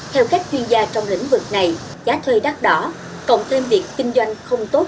theo các chuyên gia trong lĩnh vực này giá thuê đắt đỏ cộng thêm việc kinh doanh không tốt